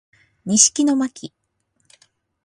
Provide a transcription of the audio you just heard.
西木野真姫